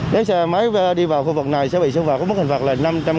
nếu xe máy đi vào khu vực này sẽ bị xử phạt có mức hình phạt là năm trăm linh